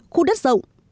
khu đất rộng đẻ cỏ mọc